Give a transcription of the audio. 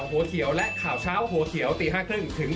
ห้องข่าวหัวเทียวและข่าวเช้าหัวเทียวตี๕๓๐ถึง๘๓๐